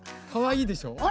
かわいいでしょ？